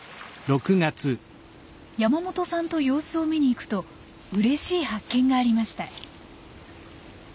山本さんと様子を見に行くとうれしい発見がありました。